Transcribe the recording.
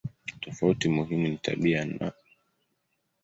Tofauti muhimu ni tabia no.